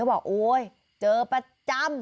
เขาบอกโอ้ยเจอประจำ